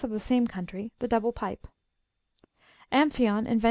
231 of the same coinitiy, the double pipe." Amphion inYent